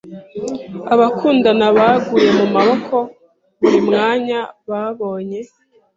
Abakundana baguye mu maboko buri mwanya babonye.